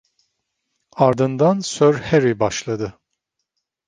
Ardından Sir Harry başladı.